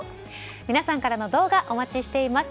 皆さんからの動画お待ちしています。